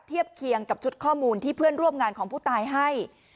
เทียบเคียงกับชุดข้อมูลที่เพื่อนร่วมงานของผู้ตายให้